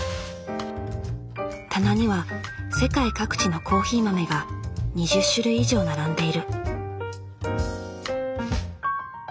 棚には世界各地のコーヒー豆が２０種類以上並んでいる。